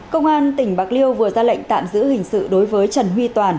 công an tp hcm vừa ra lệnh tạm giữ hình sự đối với trần huy toàn